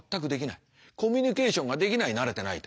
コミュニケーションができない慣れてないと。